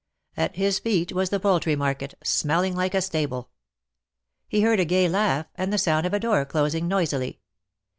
At his feet was the poultry market, smelling like a stable. He heard a gay laugh, and the sound of a door closing noisily.